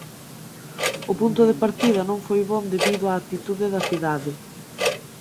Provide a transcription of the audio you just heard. O punto de partida non foi bo debido á actitude da cidade.